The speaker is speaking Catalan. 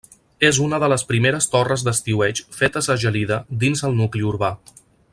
És una de les primeres torres d'estiueig fetes a Gelida dins el nucli urbà.